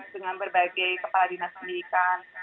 dengan berbagai kepala dinas pendidikan